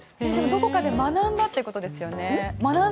どこかで学んだってことですよね。